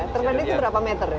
terpendek itu berapa meter